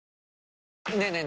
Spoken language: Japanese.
ねえねえ